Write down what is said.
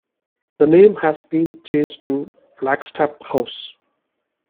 The name has been changed to Flagstaff House.